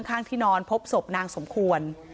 ข้างที่นอนพบศพนางสมควร